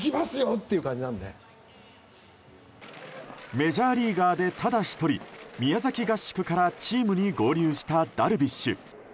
メジャーリーガーでただ一人宮崎合宿からチームに合流したダルビッシュ。